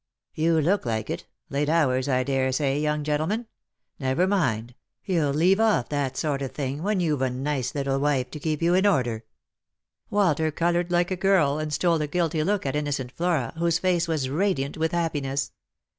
" Tou look like it. Late hours, I daresay, young gentleman. Never mind ; you'll leave off that sort of thing when you've a nice little wife to keep you in order." Walter coloured like a girl, and stole a guilty look at innocent Mora, whose face was radiant with happiness.